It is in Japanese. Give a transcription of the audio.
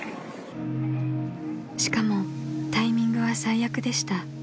［しかもタイミングは最悪でした］